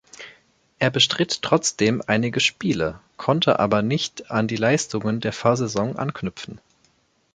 Er bestritt trotzdem einige Spiele, konnte aber nicht an die Leistungen der Vorsaison anknüpfen.